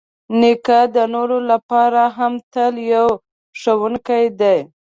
نیکه د نورو لپاره هم تل یو ښوونکی دی.